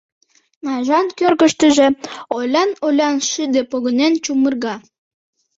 — Найжан кӧргыштыжӧ олян-олян шыде погынен чумырга.